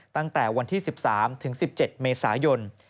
ตั้งแต่วันที่๑๓ถึง๑๗เมษายน